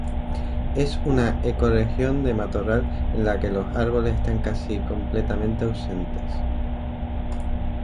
Es una ecorregión de matorral en la que los árboles están casi completamente ausentes.